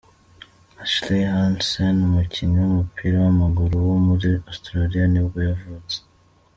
Ashley Hansen, umukinnyi w’umupira w’amaguru wo muri Australia nibwo yavutse.